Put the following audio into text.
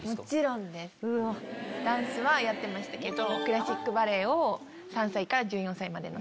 ダンスはやってましたけど。